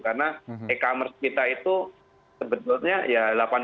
karena e commerce kita itu sebetulnya ya